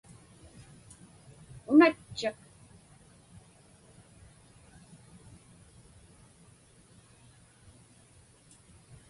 Unatchiq!